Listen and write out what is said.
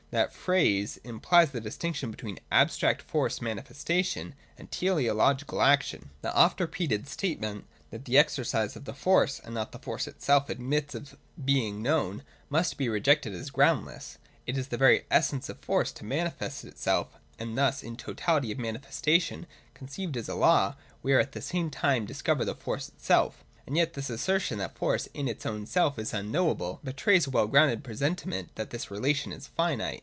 That phrase implies the distinction betw^een abstract force manifestation and teleological action. (2) The oft repeated statement, that the exercise of the force and not the force itself admits of being known, must be rejected as groundless. It is the very essence of force to manifest itself, and thus in the totality of manifestation, con 1 ceived as a law, we at the same time discover the force itself j And yet this assertion that force in its own self is unknow able betrays a weD grounded presentiment that this relation is finite.